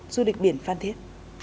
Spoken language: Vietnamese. du lịch biển phan thiết